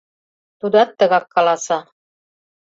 Тудат тыгак каласа.